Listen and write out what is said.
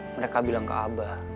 mereka bilang ke abah